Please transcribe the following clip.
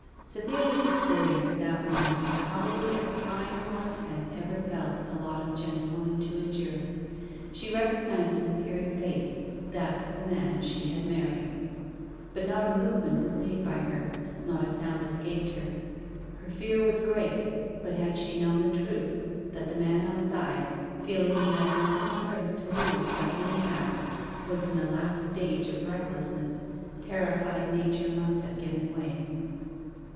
Cytherea's experience at that moment was probably as trying a one as ever fell to the lot of a gentlewoman to endure. She recognized in the peering face that of the man she had married. But not a movement was made by her, not a sound escaped her. Her fear was great; but had she known the truth that the man outside, feeling he had nothing on earth to lose by any act, was in the last stage of recklessness, terrified nature must have given way.